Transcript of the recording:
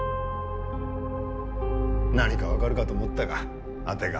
何か分かるかと思ったが当てが外れた。